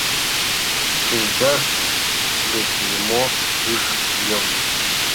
Шинчашт гыч нимо ыш йом.